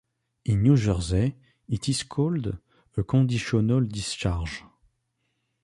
In New Jersey, it is called a "conditional discharge".